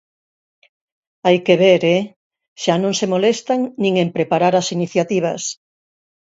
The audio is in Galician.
¡Hai que ver, eh!: xa non se molestan nin en preparar as iniciativas.